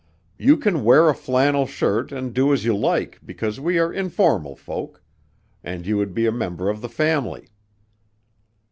"You can wear a flannel shirt and do as you like because we are informal folk and you would be a member of the family."